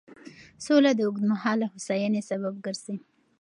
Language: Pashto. سوله د اوږدمهاله هوساینې سبب ګرځي.